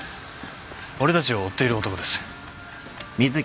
俺たちを追っている男です。